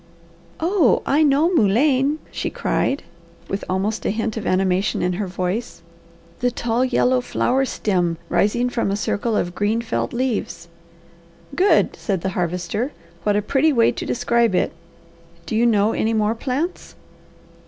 "Oh I know mullein," she cried, with almost a hint of animation in her voice. "The tall, yellow flower stem rising from a circle of green felt leaves!" "Good!" said the Harvester. "What a pretty way to describe it! Do you know any more plants?"